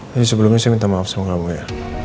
jadi sebelumnya saya minta maaf sama kamu ya